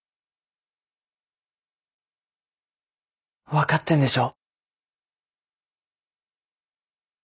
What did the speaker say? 分かってんでしょ。